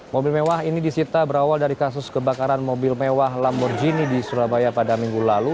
mobil mewah ini disita berawal dari kasus kebakaran mobil mewah lamborghini di surabaya pada minggu lalu